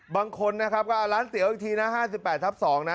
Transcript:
บางคนนะครับก็ร้านเตี๋ยวอีกทีนะ๕๘ทับ๒นะ